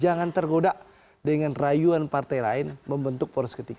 jangan tergoda dengan rayuan partai lain membentuk poros ketiga